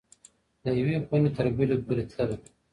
له یوې خوني تر بلي پوری تلله .